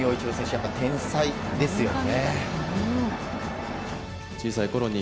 やっぱり天才ですよね。